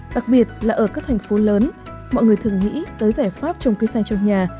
đặc biệt là ở các thành phố lớn mọi người thường nghĩ tới giải pháp trồng cây xanh trong nhà